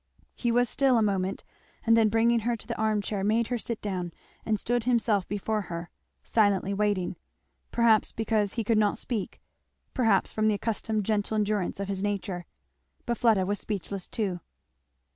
He was still a moment, and then bringing her to the arm chair made her sit down, and stood himself before her, silently waiting, perhaps because he could not speak, perhaps from the accustomed gentle endurance of his nature. But Fleda was speechless too.